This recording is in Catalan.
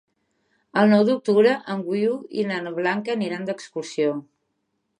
El nou d'octubre en Guiu i na Blanca aniran d'excursió.